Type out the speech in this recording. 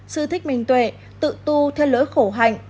sư thích minh tuệ tự tu theo lối khổ hạnh